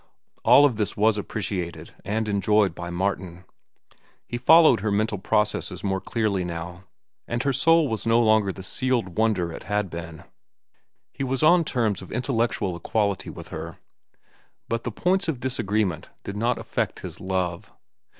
All of which was appreciated and enjoyed by Martin. He followed her mental processes more clearly now, and her soul was no longer the sealed wonder it had been. He was on terms of intellectual equality with her. But the points of disagreement did not affect his love.